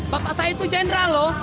bapak saya itu jenderal loh